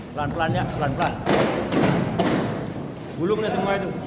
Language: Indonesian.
pelan pelannya pelan pelan